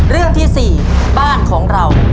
เรื่องที่๔บ้านของเรา